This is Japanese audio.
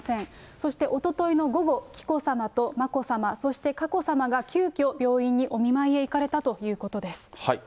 そしておとといの午後、紀子さまと眞子さま、そして佳子さまが急きょ、病院へお見舞いに行かれたということです。